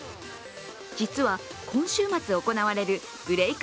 実は、今週末行われるブレイク